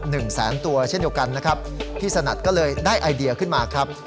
หนึ่งแสนตัวเช่นเดียวกันนะครับพี่สนัทก็เลยได้ไอเดียขึ้นมาครับ